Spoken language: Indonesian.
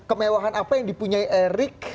kemewahan apa yang dipunyai erik